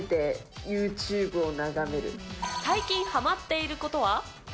あー、最近はまっていることは？